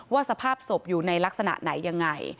สภาพศพอยู่ในลักษณะไหนยังไง